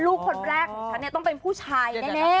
ลูกคนแรกนี่ต้องเป็นผู้ชายแน่